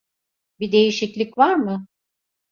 Bir değişiklik var mı?